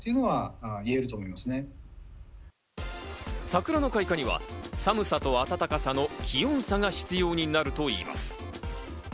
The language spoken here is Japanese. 桜の開花には寒さと温かさの気温差が必要になるといいます。